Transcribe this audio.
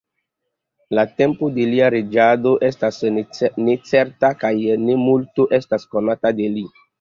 La tempo de lia reĝado estas necerta kaj ne multo estas konata de li.